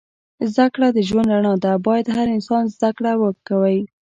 زده کړه د ژوند رڼا ده. باید هر انسان زده کړه وه کوی